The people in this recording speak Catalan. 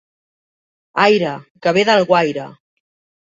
Aire, que ve d'Alguaire!